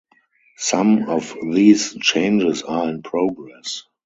Some of these changes are in progress.